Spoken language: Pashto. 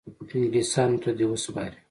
انګلیسیانو ته دي وسپاري.